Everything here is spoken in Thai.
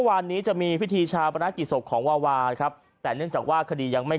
วันนี้จะมีพิธีชาปนกิจศพของวาวาครับแต่เนื่องจากว่าคดียังไม่